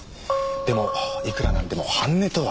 でもいくらなんでも半値とは。